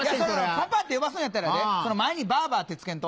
「パパ」って呼ばすんやったらやでその前に「バーバ」って付けんと。